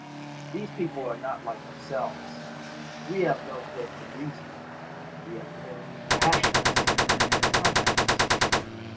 These people are not like ourselves. We have no political reason; we have political passions sometimes.